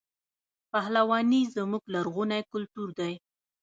پهلواني زموږ لرغونی کلتور دی.